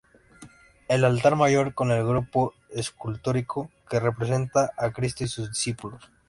El Altar Mayor, con el grupo escultórico que representa a Cristo y sus discípulos.